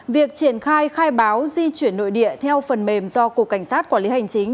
việc triển khai khai báo di chuyển nội địa theo phần mềm do cục cảnh sát quản lý hành chính